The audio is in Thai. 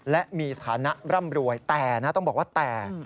และมีฐานะร่ำรวยแต่นะต้องบอกว่าแต่